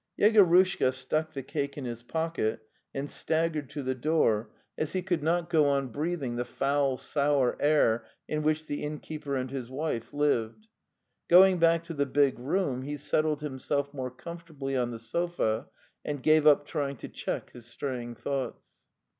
Yegorushka stuck the cake in his pocket and stag gered to the door, as he could not go on breathing the foul, sour air in which the innkeeper and his wife lived. Going back to the big room, he settled him self more comfortably on the sofa and gave up try ing to check his straying thoughts.